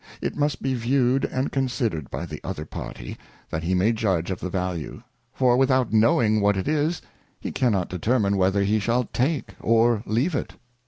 It must be viewed and considered by the other party, that he may judge of the value ; for without knowing what it is, he cannot determine whether he shall take or leave it.